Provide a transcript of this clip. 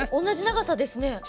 同じ長さですね。